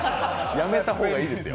やめた方がいいですよ。